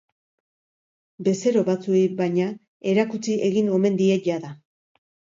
Bezero batzuei, baina, erakutsi egin omen die jada.